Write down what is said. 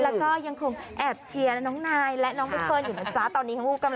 แล้วก็ยังคงแอบเชียร์น้องนายและน้องเพื่อนอยู่น่ะจ๊ะ